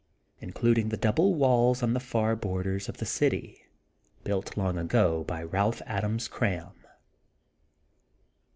INCLUDING THB DOUBLE WALLS ON THB FAB BOBDBRS OF THB CITY. BUILT LONG AGO BY BALPH ADAMS CBAM.